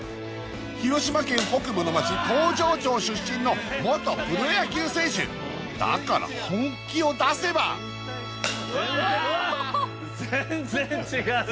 広島県北部の町東城町出身の元プロ野球選手だから本気を出せばうわ！